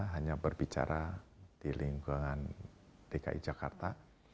hanya berbicara di lingkungan dki jakarta